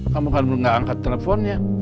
kamu kan belum gak angkat teleponnya